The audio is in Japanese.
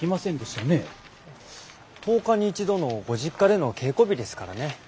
１０日に一度のご実家での稽古日ですからね。